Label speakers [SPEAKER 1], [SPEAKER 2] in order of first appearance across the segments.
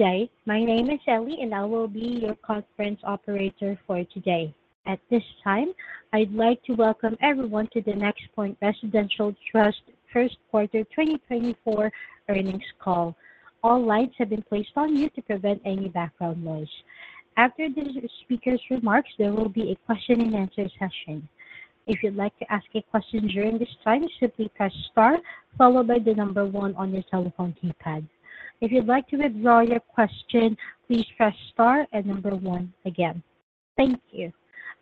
[SPEAKER 1] Good day, my name is Ellie and I will be your conference operator for today. At this time, I'd like to welcome everyone to the NexPoint Residential Trust first quarter 2024 earnings call. All lines have been placed on mute to prevent any background noise. After the speaker's remarks, there will be a question and answer session. If you'd like to ask a question during this time, simply press star followed by the number one on your telephone keypad. If you'd like to withdraw your question, please press star and number one again. Thank you.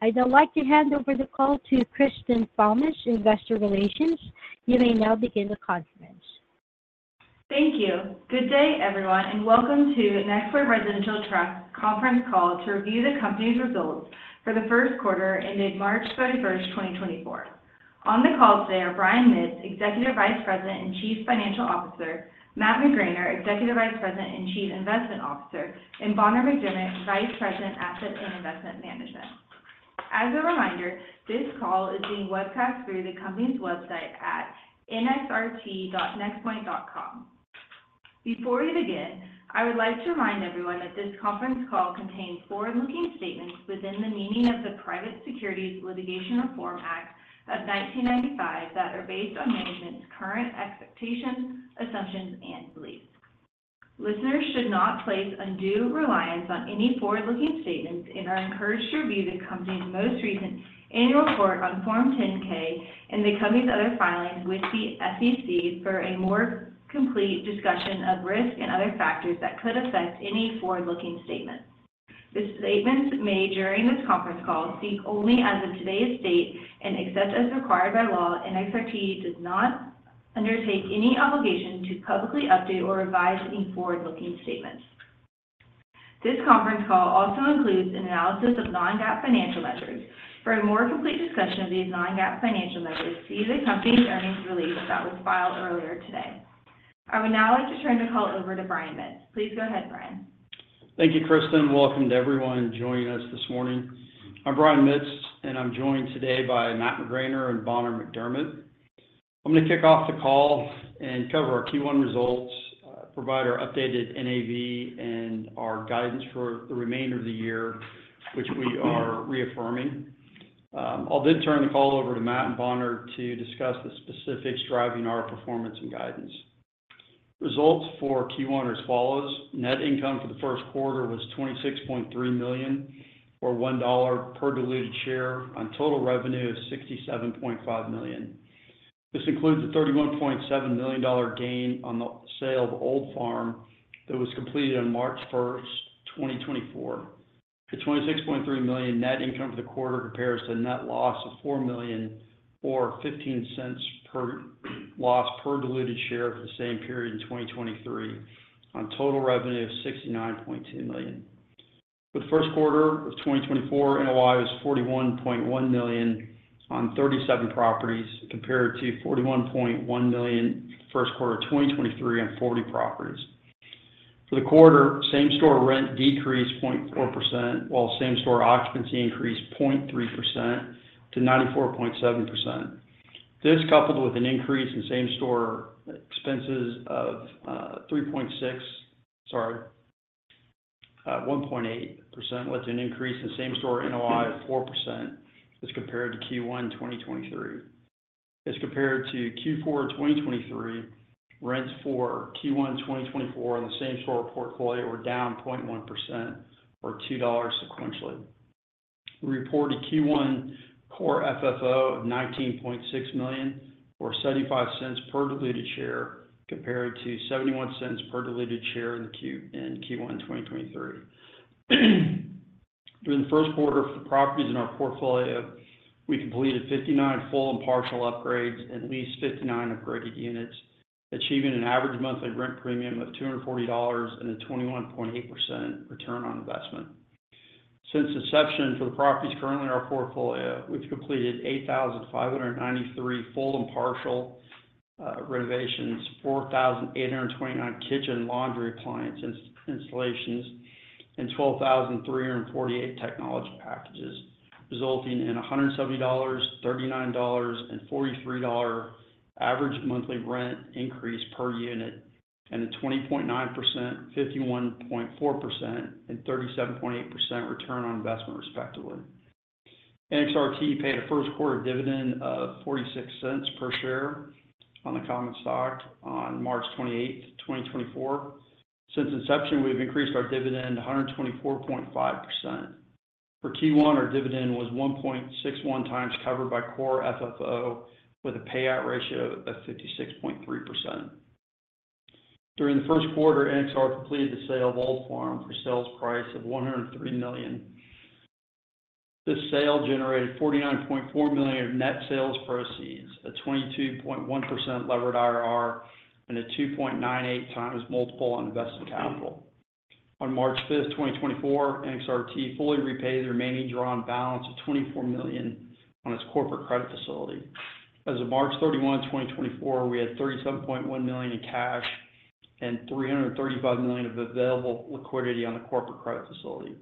[SPEAKER 1] I'd now like to hand over the call to Kristen Thomas, Investor Relations. You may now begin the conference.
[SPEAKER 2] Thank you. Good day everyone and welcome to NexPoint Residential Trust conference call to review the company's results for the first quarter ended March 31st, 2024. On the call today are Brian Mitts, Executive Vice President and Chief Financial Officer, Matt McGraner, Executive Vice President and Chief Investment Officer, and Bonner McDermett, Vice President, Asset and Investment Management. As a reminder, this call is being webcast through the company's website at nxrt.nexpoint.com. Before we begin, I would like to remind everyone that this conference call contains forward-looking statements within the meaning of the Private Securities Litigation Reform Act of 1995 that are based on management's current expectations, assumptions, and beliefs. Listeners should not place undue reliance on any forward-looking statements and are encouraged to review the company's most recent annual report on Form 10-K and the company's other filings with the SEC for a more complete discussion of risk and other factors that could affect any forward-looking statements. The statements made during this conference call speak only as of today's date and except as required by law. NXRT does not undertake any obligation to publicly update or revise any forward-looking statements. This conference call also includes an analysis of non-GAAP financial measures. For a more complete discussion of these non-GAAP financial measures, see the company's earnings release that was filed earlier today. I would now like to turn the call over to Brian Mitts. Please go ahead, Brian.
[SPEAKER 3] Thank you, Kristen. Welcome to everyone joining us this morning. I'm Brian Mitts, and I'm joined today by Matt McGraner and Bonner McDermett. I'm going to kick off the call and cover our Q1 results, provide our updated NAV, and our guidance for the remainder of the year, which we are reaffirming. I'll then turn the call over to Matt and Bonner to discuss the specifics driving our performance and guidance. Results for Q1 are as follows: net income for the first quarter was $26.3 million or $1 per diluted share on total revenue of $67.5 million. This includes a $31.7 million gain on the sale of Old Farm that was completed on March 1st, 2024. The $26.3 million net income for the quarter compares to a net loss of $4 million or $0.15 per loss per diluted share for the same period in 2023 on total revenue of $69.2 million. For the first quarter of 2024, NOI was $41.1 million on 37 properties compared to $41.1 million first quarter of 2023 on 40 properties. For the quarter, same-store rent decreased 0.4% while same-store occupancy increased 0.3% to 94.7%. This, coupled with an increase in same-store expenses of 3.6 sorry, 1.8%, led to an increase in same-store NOI of 4% as compared to Q1 2023. As compared to Q4 2023, rents for Q1 2024 on the same-store portfolio were down 0.1% or $2 sequentially. We reported Q1 Core FFO of $19.6 million or $0.75 per diluted share compared to $0.71 per diluted share in Q1 2023. During the first quarter for the properties in our portfolio, we completed 59 full and partial upgrades and leased 59 upgraded units, achieving an average monthly rent premium of $240 and a 21.8% return on investment. Since inception for the properties currently in our portfolio, we've completed 8,593 full and partial renovations, 4,829 kitchen laundry appliance installations, and 12,348 technology packages, resulting in a $170, $39, and $43 average monthly rent increase per unit and a 20.9%, 51.4%, and 37.8% return on investment, respectively. NXRT paid a first-quarter dividend of $0.46 per share on the common stock on March 28th, 2024. Since inception, we've increased our dividend 124.5%. For Q1, our dividend was 1.61x covered by Core FFO with a payout ratio of 56.3%. During the first quarter, NXRT completed the sale of Old Farm for sales price of $103 million. This sale generated $49.4 million of net sales proceeds, a 22.1% leveraged IRR, and a 2.98x multiple on invested capital. On March 5th, 2024, NXRT fully repaid the remaining drawn balance of $24 million on its corporate credit facility. As of March 31, 2024, we had $37.1 million in cash and $335 million of available liquidity on the corporate credit facility.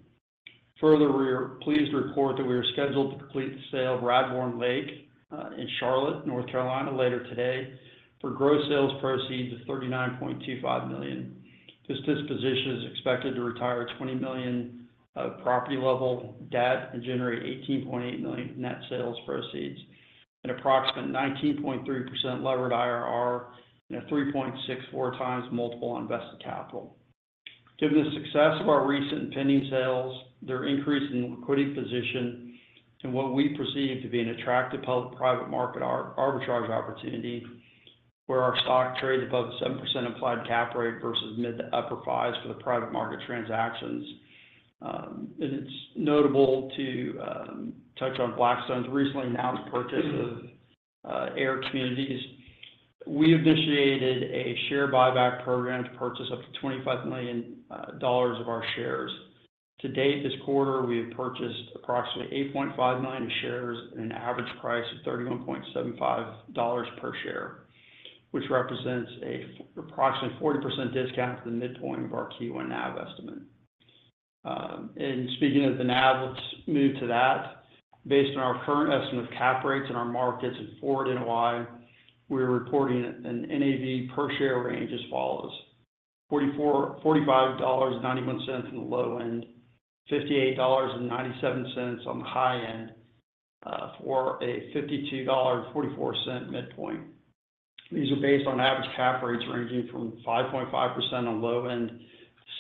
[SPEAKER 3] Further, we are pleased to report that we are scheduled to complete the sale of Radbourne Lake in Charlotte, North Carolina, later today for gross sales proceeds of $39.25 million. This disposition is expected to retire $20 million of property-level debt and generate $18.8 million net sales proceeds, an approximate 19.3% leveraged IRR, and a 3.64x multiple on invested capital. Given the success of our recent pending sales, their increase in liquidity position, and what we perceive to be an attractive public-private market arbitrage opportunity where our stock trades above a 7% implied cap rate vs. mid to upper-5%s for the private market transactions, and it's notable to touch on Blackstone's recently announced purchase of AIR Communities, we initiated a share buyback program to purchase up to $25 million of our shares. To date this quarter, we have purchased approximately 8.5 million of shares at an average price of $31.75 per share, which represents an approximate 40% discount from the midpoint of our Q1 NAV estimate. Speaking of the NAV, let's move to that. Based on our current estimate of cap rates in our markets and forward NOI, we are reporting an NAV per share range as follows: $45.91 on low ends, $58.97 on high end, $52.44 midpoint. These are based on average cap rates ranging from 5.5% on low end,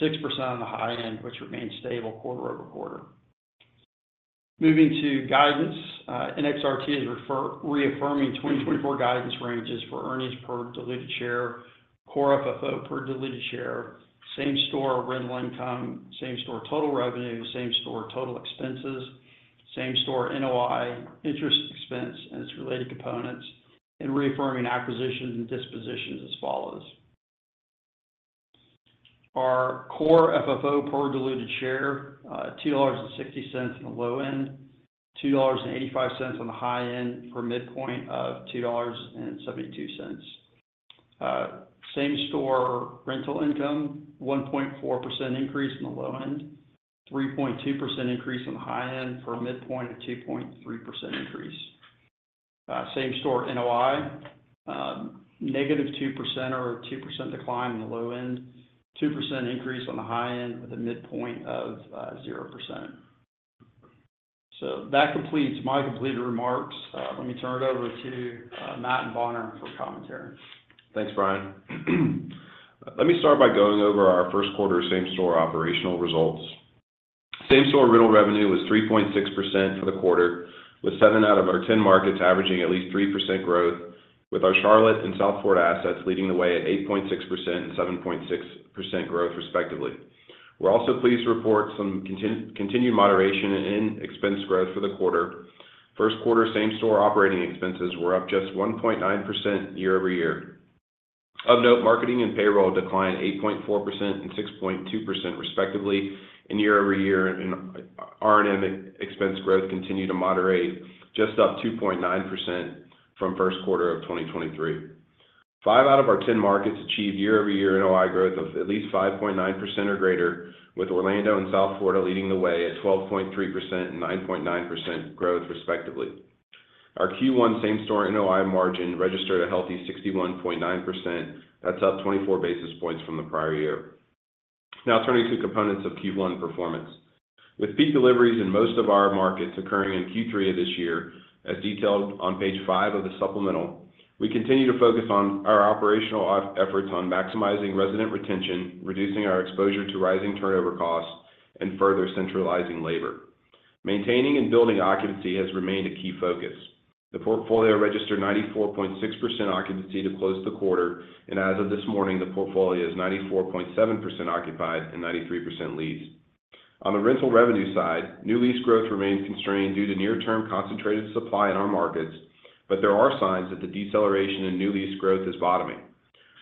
[SPEAKER 3] 6% on high end, which remains stable quarter-over-quarter. Moving to guidance, NXRT is reaffirming 2024 guidance ranges for earnings per diluted share, core FFO per diluted share, same-store rental income, same-store total revenue, same-store total expenses, same-store NOI interest expense and its related components, and reaffirming acquisitions and dispositions as follows. Our core FFO per diluted share: $2.60 on low end, $2.85 on high end, for a midpoint of $2.72. Same-store rental income: 1.4% increase on the low end, 3.2% increase on high end, for a midpoint of 2.3% increase. Same-store NOI: -2% or a 2% decline on the low end, 2% increase on the high end with a midpoint of 0%. So that completes my remarks. Let me turn it over to Matt and Bonner for commentary.
[SPEAKER 4] Thanks, Brian. Let me start by going over our first quarter same-store operational results. Same-store rental revenue was 3.6% for the quarter, with seven out of our 10 markets averaging at least 3% growth, with our Charlotte and Southport assets leading the way at 8.6% and 7.6% growth, respectively. We're also pleased to report some continued moderation in expense growth for the quarter. First quarter same-store operating expenses were up just 1.9% year-over-year. Of note, marketing and payroll declined 8.4% and 6.2%, respectively, year-over-year, and R&M expense growth continued to moderate, just up 2.9% from first quarter of 2023. Five out of our 10 markets achieved year-over-year NOI growth of at least 5.9% or greater, with Orlando and Southport leading the way at 12.3% and 9.9% growth, respectively. Our Q1 same-store NOI margin registered a healthy 61.9%. That's up 24 basis points from the prior year. Now turning to components of Q1 performance. With peak deliveries in most of our markets occurring in Q3 of this year, as detailed on Page 5 of the supplemental, we continue to focus on our operational efforts on maximizing resident retention, reducing our exposure to rising turnover costs, and further centralizing labor. Maintaining and building occupancy has remained a key focus. The portfolio registered 94.6% occupancy to close the quarter, and as of this morning, the portfolio is 94.7% occupied and 93% lease. On the rental revenue side, new lease growth remains constrained due to near-term concentrated supply in our markets, but there are signs that the deceleration in new lease growth is bottoming.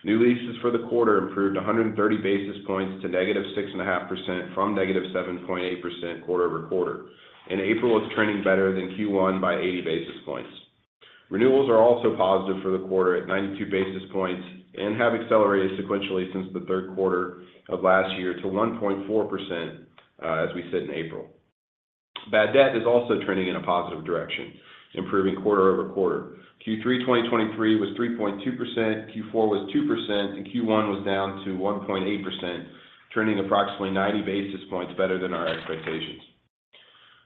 [SPEAKER 4] New leases for the quarter improved 130 basis points to -6.5% from -7.8% quarter-over-quarter. In April, it was trending better than Q1 by 80 basis points. Renewals are also positive for the quarter at 92 basis points and have accelerated sequentially since the third quarter of last year to 1.4% as we sit in April. Bad debt is also trending in a positive direction, improving quarter-over-quarter. Q3 2023 was 3.2%, Q4 was 2%, and Q1 was down to 1.8%, trending approximately 90 basis points better than our expectations.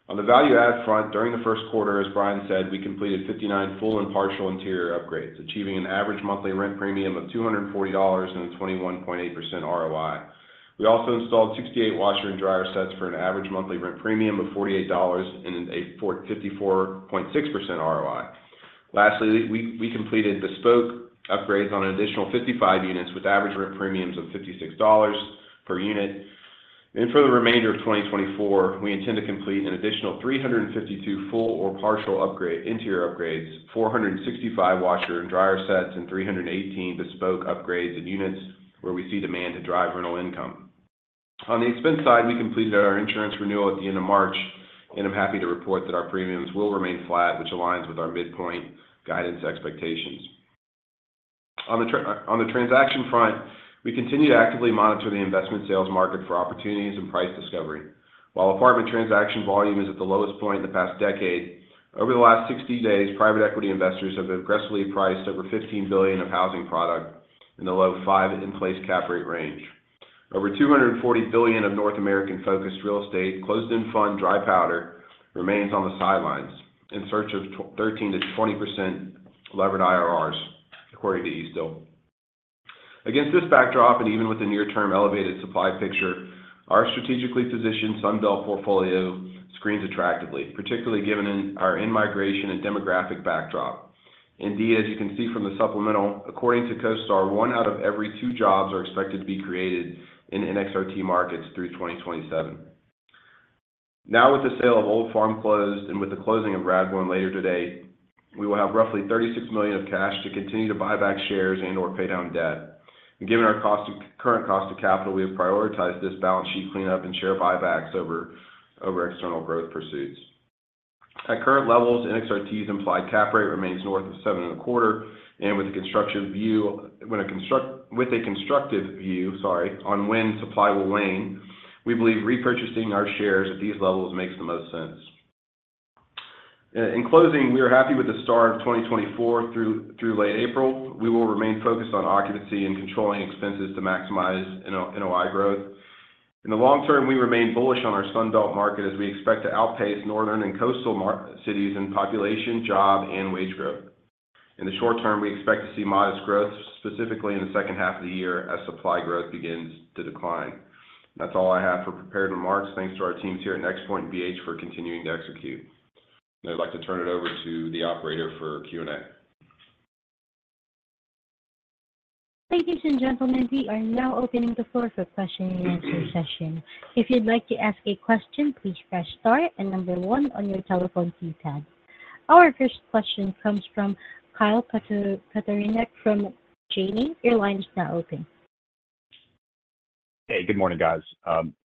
[SPEAKER 4] On the value-add front, during the first quarter, as Brian said, we completed 59 full and partial interior upgrades, achieving an average monthly rent premium of $240 and a 21.8% ROI. We also installed 68 washer and dryer sets for an average monthly rent premium of $48 and a 54.6% ROI. Lastly, we completed bespoke upgrades on an additional 55 units with average rent premiums of $56 per unit. For the remainder of 2024, we intend to complete an additional 352 full or partial interior upgrades, 465 washer and dryer sets, and 318 bespoke upgrades in units where we see demand to drive rental income. On the expense side, we completed our insurance renewal at the end of March, and I'm happy to report that our premiums will remain flat, which aligns with our midpoint guidance expectations. On the transaction front, we continue to actively monitor the investment sales market for opportunities and price discovery. While apartment transaction volume is at the lowest point in the past decade, over the last 60 days, private equity investors have aggressively priced over $15 billion of housing product in the low 5% in-place cap rate range. Over $240 billion of North American-focused real estate, closed-end fund dry powder remains on the sidelines in search of 13%-20% leveraged IRRs, according to Stifel. Against this backdrop and even with the near-term elevated supply picture, our strategically positioned Sun Belt portfolio screens attractively, particularly given our immigration and demographic backdrop. Indeed, as you can see from the supplemental, according to CoStar, one out of every two jobs are expected to be created in NXRT markets through 2027. Now, with the sale of Old Farm closed and with the closing of Radbourne later today, we will have roughly $36 million of cash to continue to buy back shares and/or pay down debt. And given our current cost of capital, we have prioritized this balance sheet cleanup and share buybacks over external growth pursuits. At current levels, NXRT's implied cap rate remains north of 7.25, and with a constructive view, sorry, on when supply will wane, we believe repurchasing our shares at these levels makes the most sense. In closing, we are happy with the start of 2024 through late April. We will remain focused on occupancy and controlling expenses to maximize NOI growth. In the long term, we remain bullish on our Sunbelt market as we expect to outpace northern and coastal cities in population, job, and wage growth. In the short term, we expect to see modest growth, specifically in the second half of the year as supply growth begins to decline. That's all I have for prepared remarks. Thanks to our teams here at NexPoint and BH for continuing to execute. Now I'd like to turn it over to the operator for Q&A.
[SPEAKER 1] Ladies and gentlemen, we are now opening the floor for question and answer session. If you'd like to ask a question, please press star and number one on your telephone keypad. Our first question comes from Kyle Katorincek from Janney. Your line is now open.
[SPEAKER 5] Hey, good morning, guys.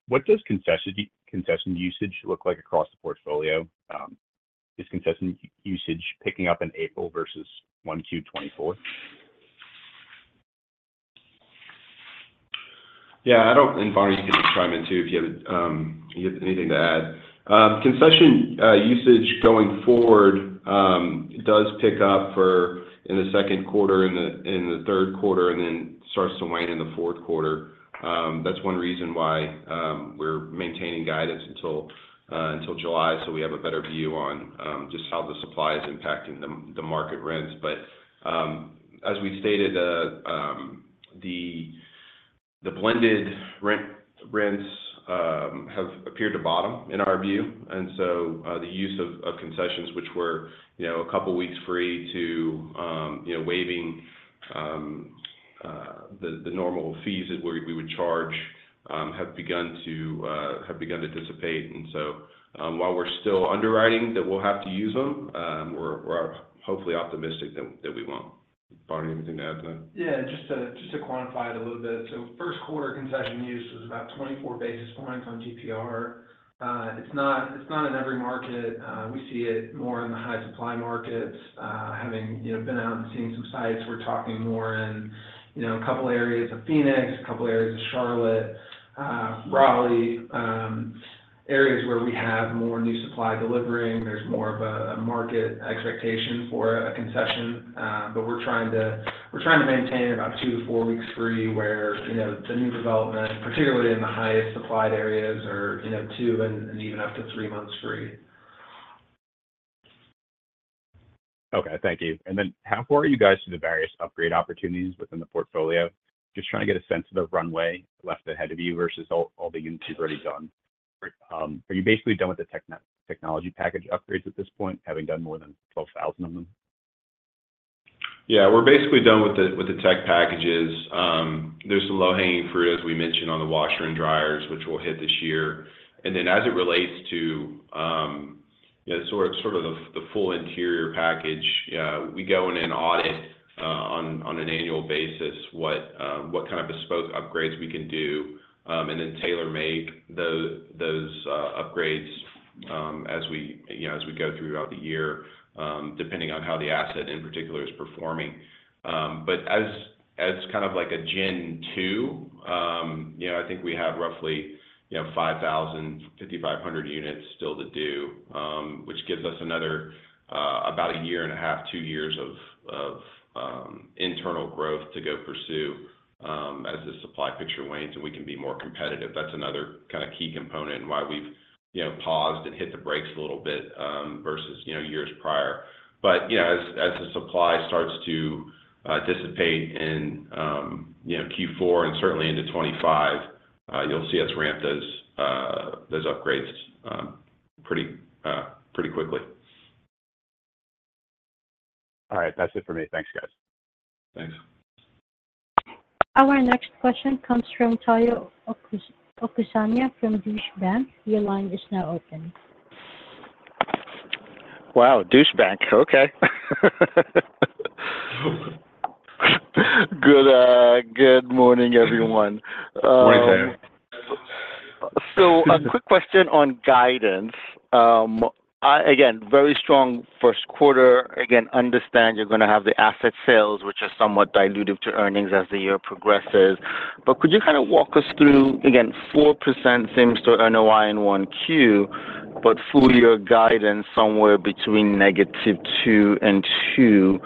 [SPEAKER 5] What does concession usage look like across the portfolio? Is concession usage picking up in April vs. Q1 2024?
[SPEAKER 3] Yeah, I don't, and Bonner you can chime in too if you have anything to add. Concession usage going forward does pick up in the second quarter and the third quarter and then starts to wane in the fourth quarter. That's one reason why we're maintaining guidance until July so we have a better view on just how the supply is impacting the market rents. But as we stated, the blended rents have appeared to bottom in our view. And so the use of concessions, which were a couple of weeks free to waiving the normal fees that we would charge, have begun to have begun to dissipate. And so while we're still underwriting that we'll have to use them, we're hopefully optimistic that we won't. Bonner, anything to add to that?
[SPEAKER 6] Yeah, just to quantify it a little bit. So first quarter concession use was about 24 basis points on GPR. It's not in every market. We see it more in the high supply markets. Having been out and seeing some sites, we're talking more in a couple of areas of Phoenix, a couple of areas of Charlotte, Raleigh, areas where we have more new supply delivering. There's more of a market expectation for a concession. But we're trying to maintain about two-four weeks free where the new development, particularly in the highest supplied areas, are two and even up to three months free.
[SPEAKER 5] Okay. Thank you. And then how far are you guys to the various upgrade opportunities within the portfolio? Just trying to get a sense of the runway left ahead of you versus all the units you've already done. Are you basically done with the technology package upgrades at this point, having done more than 12,000 of them?
[SPEAKER 3] Yeah, we're basically done with the tech packages. There's some low-hanging fruit, as we mentioned, on the washer and dryers, which will hit this year. And then as it relates to sort of the full interior package, we go in and audit on an annual basis what kind of bespoke upgrades we can do and then tailor-make those upgrades as we go throughout the year, depending on how the asset in particular is performing. But as kind of like a Gen 2, I think we have roughly 5,000, 5,500 units still to do, which gives us another about a year and a half, two years of internal growth to go pursue as this supply picture wanes and we can be more competitive. That's another kind of key component and why we've paused and hit the brakes a little bit vs. years prior. But as the supply starts to dissipate in Q4 and certainly into 2025, you'll see us ramp those upgrades pretty quickly.
[SPEAKER 5] All right. That's it for me. Thanks, guys.
[SPEAKER 3] Thanks.
[SPEAKER 1] Our next question comes from Tayo Okusanya from Deutsche Bank. Your line is now open.
[SPEAKER 7] Wow, Deutsche Bank. Okay. Good morning, everyone.
[SPEAKER 4] Morning, Tayo.
[SPEAKER 7] So a quick question on guidance. Again, very strong first quarter. Again, understand you're going to have the asset sales, which are somewhat diluted to earnings as the year progresses. But could you kind of walk us through, again, 4% same-store NOI in 1Q, but full-year guidance somewhere between -2% and 2%.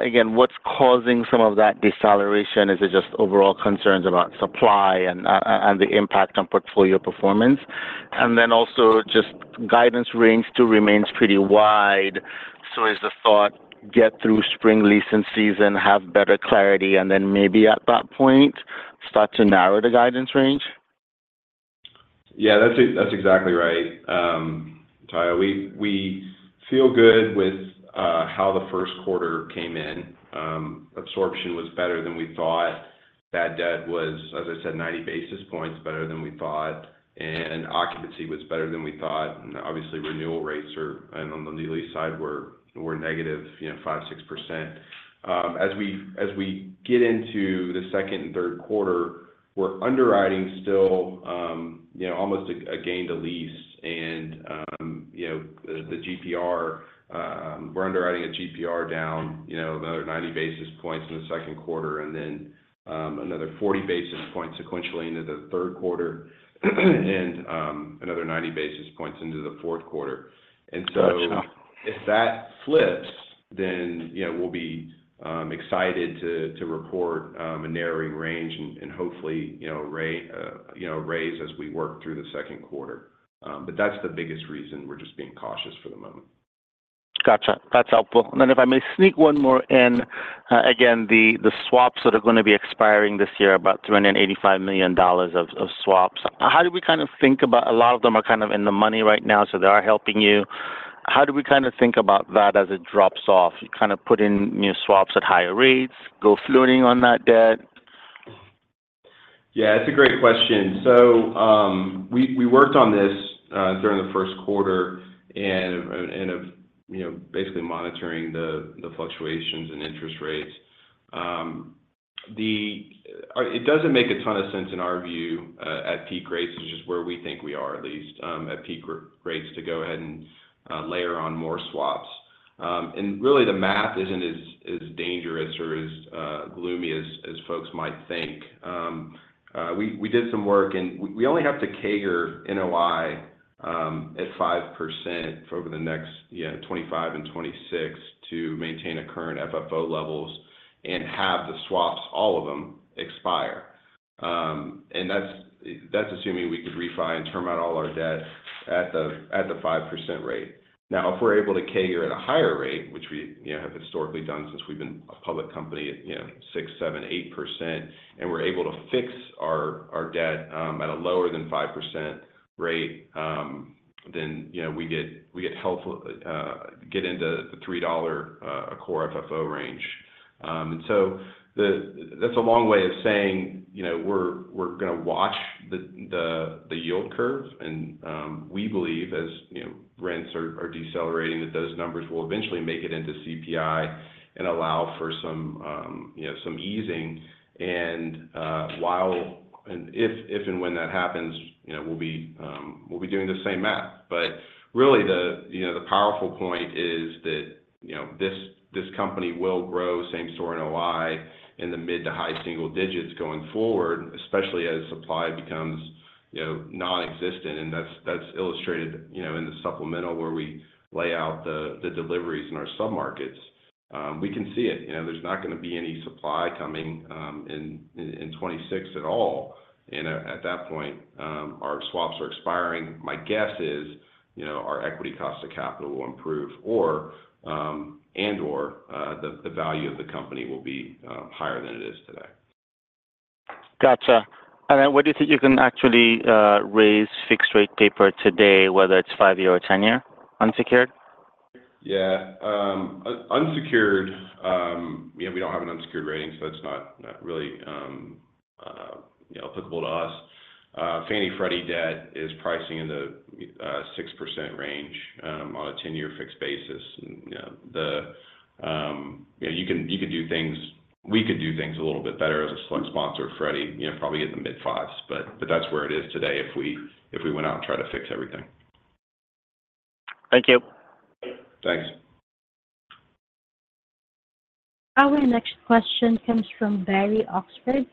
[SPEAKER 7] Again, what's causing some of that deceleration? Is it just overall concerns about supply and the impact on portfolio performance? And then also, just guidance range still remains pretty wide. So is the thought, get through spring leasing season, have better clarity, and then maybe at that point start to narrow the guidance range?
[SPEAKER 3] Yeah, that's exactly right, Tayo. We feel good with how the first quarter came in. Absorption was better than we thought. Bad debt was, as I said, 90 basis points better than we thought. And occupancy was better than we thought. And obviously, renewal rates on the new lease side were -5%, -6%. As we get into the second and third quarter, we're underwriting still almost a gain to lease and the GPR. We're underwriting a GPR down another 90 basis points in the second quarter and then another 40 basis points sequentially into the third quarter and another 90 basis points into the fourth quarter. And so if that flips, then we'll be excited to report a narrowing range and hopefully raise as we work through the second quarter. But that's the biggest reason we're just being cautious for the moment.
[SPEAKER 7] Gotcha. That's helpful. And then if I may sneak one more in, again, the swaps that are going to be expiring this year, about $385 million of swaps. How do we kind of think about a lot of them are kind of in the money right now, so they are helping you. How do we kind of think about that as it drops off? Kind of put in new swaps at higher rates, go floating on that debt?
[SPEAKER 3] Yeah, that's a great question. So we worked on this during the first quarter and basically monitoring the fluctuations in interest rates. It doesn't make a ton of sense in our view at peak rates, which is where we think we are at least at peak rates to go ahead and layer on more swaps. And really, the math isn't as dangerous or as gloomy as folks might think. We did some work, and we only have to CAGR NOI at 5% over the next 2025 and 2026 to maintain current FFO levels and have the swaps, all of them, expire. And that's assuming we could refinance and term out all our debt at the 5% rate. Now, if we're able to CAGR at a higher rate, which we have historically done since we've been a public company at 6%, 7%, 8%, and we're able to fix our debt at a lower than 5% rate, then we hopefully get into the $3 core FFO range. And so that's a long way of saying we're going to watch the yield curve. And we believe, as rents are decelerating, that those numbers will eventually make it into CPI and allow for some easing. And if and when that happens, we'll be doing the same math. But really, the powerful point is that this company will grow same-store NOI in the mid to high-single digits going forward, especially as supply becomes nonexistent. And that's illustrated in the supplemental where we lay out the deliveries in our submarkets. We can see it. There's not going to be any supply coming in 2026 at all. At that point, our swaps are expiring. My guess is our equity cost of capital will improve and/or the value of the company will be higher than it is today.
[SPEAKER 7] Gotcha. And then what do you think you can actually raise fixed-rate paper today, whether it's 5-year or 10-year, unsecured?
[SPEAKER 3] Yeah. Unsecured, we don't have an unsecured rating, so that's not really applicable to us. Fannie Freddie debt is pricing in the 6% range on a 10-year fixed basis. And we could do things a little bit better as a select sponsor of Freddie, probably get in the mid-5%s. But that's where it is today if we went out and tried to fix everything.
[SPEAKER 7] Thank you.
[SPEAKER 3] Thanks.
[SPEAKER 1] Our next question comes from Barry Oxford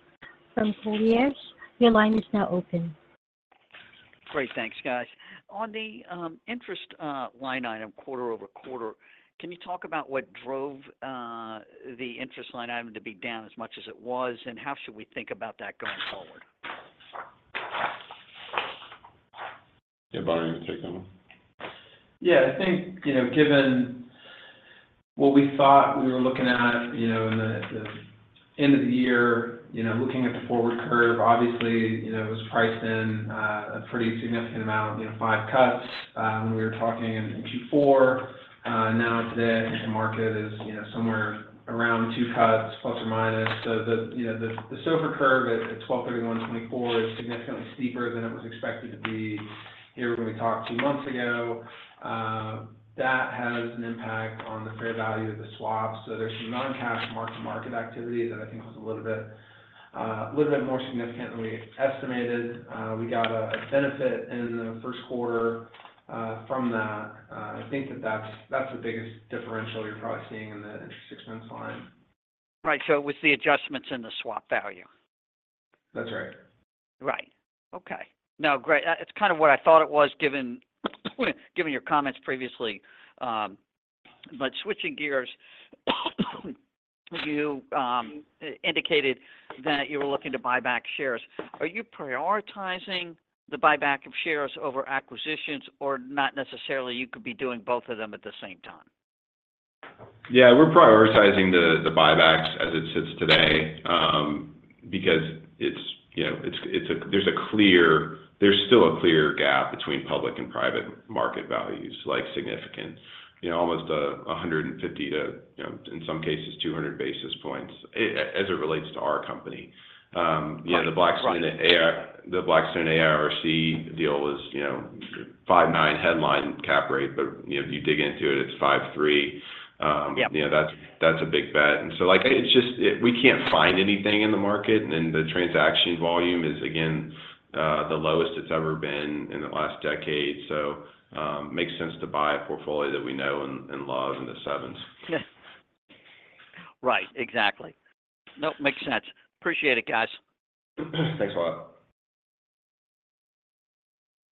[SPEAKER 1] from Colliers. Your line is now open.
[SPEAKER 8] Great. Thanks, guys. On the interest line item quarter-over-quarter, can you talk about what drove the interest line item to be down as much as it was, and how should we think about that going forward?
[SPEAKER 4] Yeah, Bonner, you can take that one.
[SPEAKER 6] Yeah, I think given what we thought we were looking at in the end of the year, looking at the forward curve, obviously, it was priced in a pretty significant amount, five cuts, when we were talking in Q4. Now today, I think the market is somewhere around two cuts ±. So the SOFR curve at 12/31/2024 is significantly steeper than it was expected to be here when we talked two months ago. That has an impact on the fair value of the swaps. So there's some non-cash mark-to-market activity that I think was a little bit more significant than we estimated. We got a benefit in the first quarter from that. I think that that's the biggest differential you're probably seeing in the interest expense line.
[SPEAKER 8] Right. So it was the adjustments in the swap value.
[SPEAKER 6] That's right.
[SPEAKER 8] Right. Okay. No, great. It's kind of what I thought it was given your comments previously. But switching gears, you indicated that you were looking to buy back shares. Are you prioritizing the buyback of shares over acquisitions, or, not necessarily, you could be doing both of them at the same time?
[SPEAKER 3] Yeah, we're prioritizing the buybacks as it sits today because there's still a clear gap between public and private market values, significant, almost 150-200 basis points as it relates to our company. The Blackstone AIR Communities deal was 5.9% headline cap rate, but if you dig into it, it's 5.3%. That's a big bet. And so we can't find anything in the market, and the transaction volume is, again, the lowest it's ever been in the last decade. So it makes sense to buy a portfolio that we know and love in the sevens.
[SPEAKER 8] Right. Exactly. Nope, makes sense. Appreciate it, guys.
[SPEAKER 3] Thanks, Barry.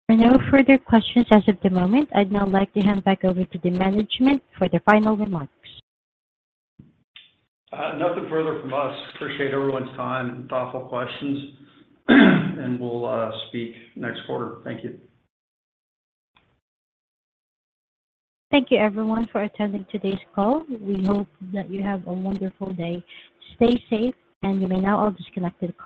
[SPEAKER 1] For no further questions as of the moment, I'd now like to hand back over to the management for their final remarks.
[SPEAKER 6] Nothing further from us. Appreciate everyone's time and thoughtful questions. And we'll speak next quarter. Thank you.
[SPEAKER 1] Thank you, everyone, for attending today's call. We hope that you have a wonderful day. Stay safe, and you may now all disconnect at.